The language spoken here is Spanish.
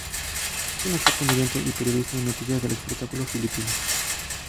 Es un actor comediante, y periodista de noticias del espectáculo filipino.